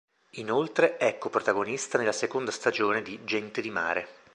Inoltre è coprotagonista nella seconda stagione di "Gente di mare".